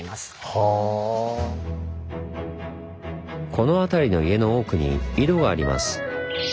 この辺りの家の多くに井戸があります。